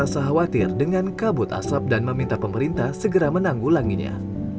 rasa khawatir dengan kabut asap dan meminta pemerintah segera menanggulanginya